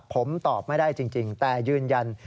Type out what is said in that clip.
ผมตอบไม่ได้จริงแต่ยืนยัน